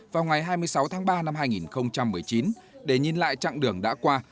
vào ngày hai mươi sáu tháng ba năm hai nghìn một mươi chín để nhìn lại chặng đường đã qua